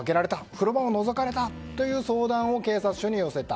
風呂場をのぞかれたという相談を警察署に寄せた。